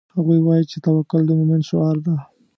هغوی وایي چې توکل د مومن شعار ده